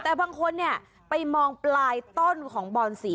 แต่บางคนเนี่ยไปมองปลายต้นของบอนสี